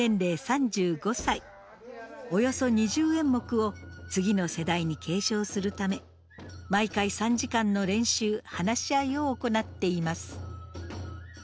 およそ２０演目を次の世代に継承するため毎回３時間の練習・話し合いを行っています。